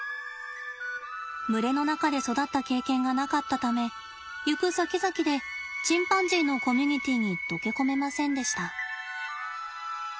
群れの中で育った経験がなかったため行くさきざきでチンパンジーのコミュニティーに溶け込めませんでした。